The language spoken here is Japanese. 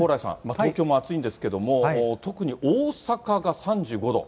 東京も暑いんですけども、特に大阪が３５度。